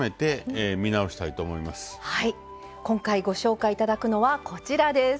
今回ご紹介頂くのはこちらです。